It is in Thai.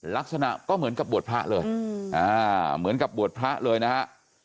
ลักษณะก็เหมือนกับบวชพระเลยเหมือนกับบวชพระเลยนะฮะ